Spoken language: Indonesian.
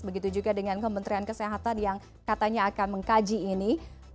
begitu juga dengan kementerian kesehatan yang katanya akan mengkaji ini